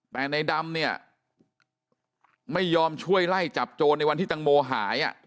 แต่ในดำเนี่ยไม่ยอมช่วยไล่จับโจรในวันที่ตังโมหาย